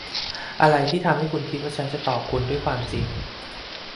อะไรที่ทำให้คุณคิดว่าฉันจะตอบคุณด้วยความจริง ?